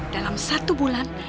dalam satu bulan